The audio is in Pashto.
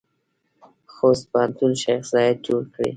خوست پوهنتون شیخ زاید جوړ کړی؟